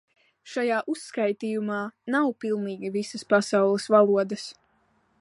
Šajā uzskaitījumā nav pilnīgi visas pasaules valodas.